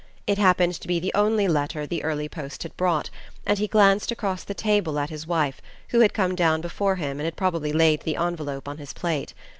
It happened to be the only letter the early post had brought, and he glanced across the table at his wife, who had come down before him and had probably laid the envelope on his plate.